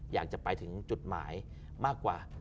อยากจะไปถึงจุดหมายมากกว่า